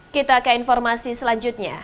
kita ke informasi selanjutnya